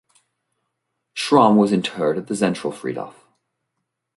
Schram was interred at the Zentralfriedhof.